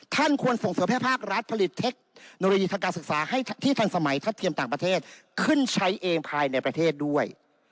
ควรส่งเสริมให้ภาครัฐผลิตเทคโนโลยีทางการศึกษาให้ที่ทันสมัยทัดเทียมต่างประเทศขึ้นใช้เองภายในประเทศด้วย